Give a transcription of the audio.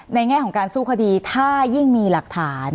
แง่ของการสู้คดีถ้ายิ่งมีหลักฐาน